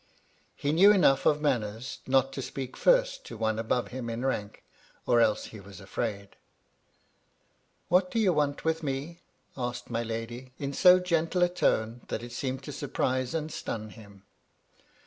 He knew enough of manners not to speak first to one above him in rank, or else he was afraid. " What do you want with me ?" asked my lady ; in so gentle a tone that it seemed to surprise and stun him.